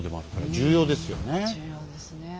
重要ですね。